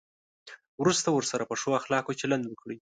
وروسته ورسره په ښو اخلاقو چلند وکړئ.